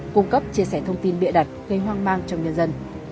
cung cấp chia sẻ thông tin bịa đặt gây hoang mang trong nhân dân